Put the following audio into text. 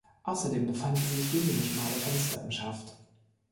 Außerdem befanden sich wenige schmale Fenster im Schaft.